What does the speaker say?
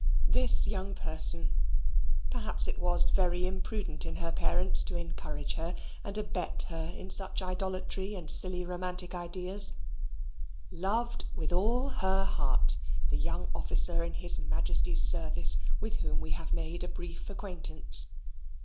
This young person (perhaps it was very imprudent in her parents to encourage her, and abet her in such idolatry and silly romantic ideas) loved, with all her heart, the young officer in His Majesty's service with whom we have made a brief acquaintance.